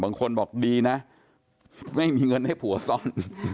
บางคนบอกดีนะไม่มีเงินให้ผัวซ่อน